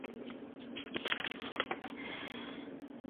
Mchezo wa kuigiza uliowekwa kwa maandishi.